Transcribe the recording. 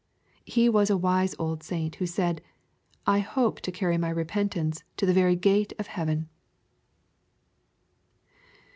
He was a wise old saint who said, " I hope to carry my repentance to the very gate of heaven."